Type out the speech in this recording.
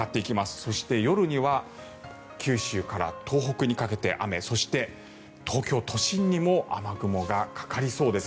そして、夜には九州から東北にかけて雨そして、東京都心にも雨雲がかかりそうです。